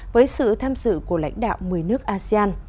với sự tham dự của lãnh đạo một mươi nước asean